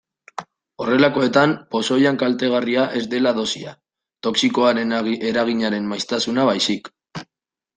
Horrelakoetan pozoian kaltegarria ez dela dosia, toxikoaren eraginaren maiztasuna baizik.